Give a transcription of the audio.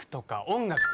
音楽。